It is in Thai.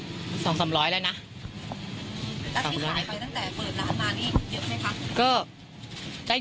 สองสามร้อยแล้วนะแล้วที่ขายไปตั้งแต่เปิดร้านมานี่เยอะไหมคะ